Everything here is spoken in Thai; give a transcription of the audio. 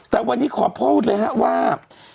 แต่วันนี้ขอพูดเลยฮะว่า